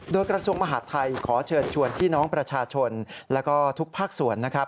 โดยกระทรวงมหาดไทยขอเชิญชวนพี่น้องประชาชนแล้วก็ทุกภาคส่วนนะครับ